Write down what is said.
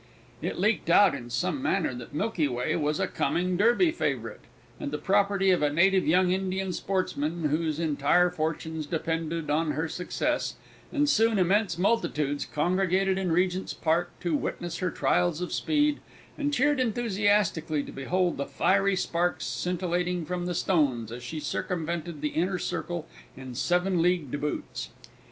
It leaked out in some manner that Milky Way was a coming Derby favourite, and the property of a Native young Indian sportsman, whose entire fortunes depended on her success, and soon immense multitudes congregated in Regent's Park to witness her trials of speed, and cheered enthusiastically to behold the fiery sparks scintillating from the stones as she circumvented the inner circle in seven leagued boots.